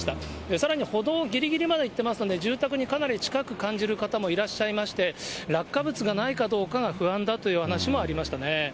さらに歩道ぎりぎりまでいっていますので、住宅にかなり近く感じる方もいらっしゃいまして、落下物がないかどうかが不安だというお話もありましたね。